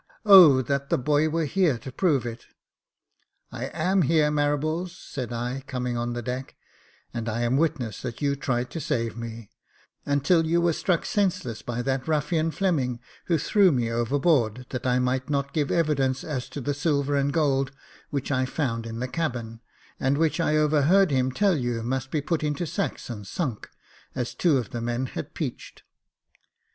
O that the boy were here to prove it !"" I am here, Marables," said I, coming on the deck, " and I am witness that you tried to save me, until you were struck senseless by that ruffian Fleming, who threw me overboard, that I might not give evidence as to the silver and gold which I found in the cabin ; and which I over heard him tell you must be put into sacks and sunk, as two of the men had 'peached."